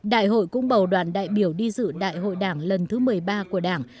đại hội cũng bầu đoàn đại biểu đi dự đại hội đảng lần thứ một mươi ba của đảng